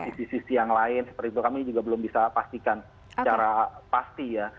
seperti itu kami juga belum bisa pastikan secara pasti ya